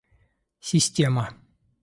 Система